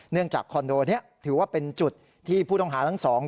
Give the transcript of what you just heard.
จากคอนโดนี้ถือว่าเป็นจุดที่ผู้ต้องหาทั้งสอง